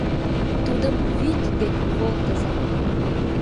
— Тудым вӱд дек волтыза!..